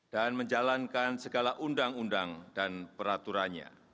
dan menjalankan segala undang undang dan peraturannya